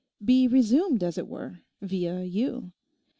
'Be resumed, as it were, via you.